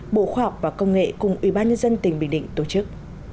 bộ khoa học và công nghệ cùng ubnd tỉnh bình định tổ chức